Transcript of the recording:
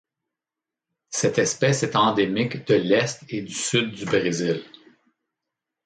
Cette espèce est endémique de l'Est et du Sud du Brésil.